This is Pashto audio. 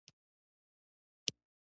ایا مغز د خوب پر مهال کار کوي؟